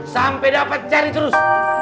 sampai dapat cari terus